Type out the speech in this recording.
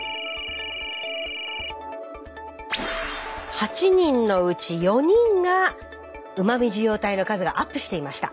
８人のうち４人がうま味受容体の数がアップしていました。